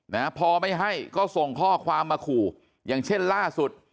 นะฮะพอไม่ให้ก็ส่งข้อความมาขู่อย่างเช่นล่าสุด